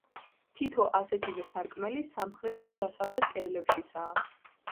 თითო ასეთივე სარკმელი სამხრეთ და დასავლეთ კედლებშიცაა.